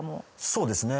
そうですね